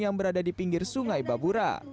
yang berada di pinggir sungai babura